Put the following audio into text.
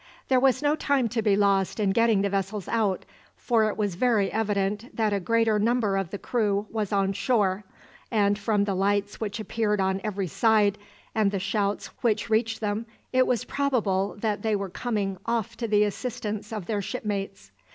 There was no time to be lost in getting the vessels out, for it was very evident that a greater number of the crew was on shore; and from the lights which appeared on every side, and the shouts which reached them, it was probable that they were coming off to the assistance of their shipmates.